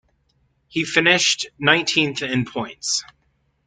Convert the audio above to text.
He finished nineteenth in points.